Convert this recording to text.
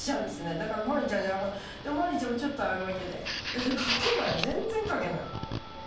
だからまりいちゃん、でもまりいちゃんもちょっとあるわけで、描けない、全然描けない。